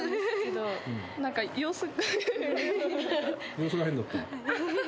様子が変だった？